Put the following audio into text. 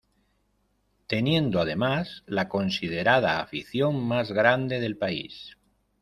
Teniendo además, la considerada afición mas grande del país.